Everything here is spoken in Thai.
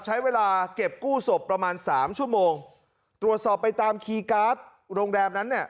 ใช้เวลาเก็บกู้ศพประมาณสามชั่วโมงตรวจสอบไปตามคีย์การ์ดโรงแรมนั้นเนี่ย